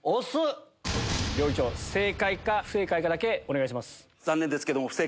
料理長正解か不正解かだけお願いします。